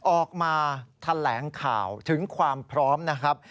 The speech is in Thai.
ออกมาแถลงข่าวถึงความพร้อมนะครับ